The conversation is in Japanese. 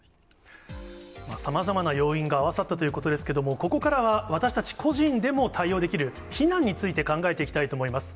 さまざまな要因が合わさったということですけども、ここからは、私たち個人でも対応できる避難について考えていきたいと思います。